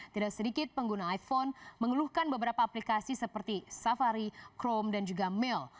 tidak sedikit pengguna iphone mengeluhkan beberapa aplikasi seperti safari chrome dan juga mail